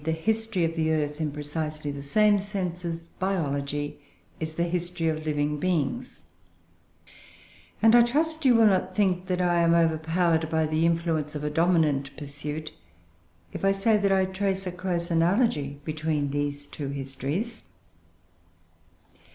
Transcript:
I conceive geology to be the history of the earth, in precisely the same sense as biology is the history of living beings; and I trust you will not think that I am overpowered by the influence of a dominant pursuit if I say that I trace a close analogy between these two histories.